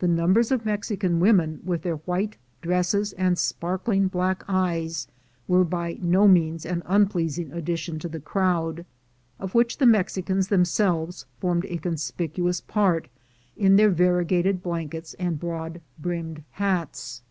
The numbers of Mexican women with their white dresses and sparkling black eyes were by no means an un pleasing addition to the crowd, of which the Mexicans themselves formed a conspicuous part in their varie SONORA AND THE MEXICANS 315 gated blankets and broad brimmed hats.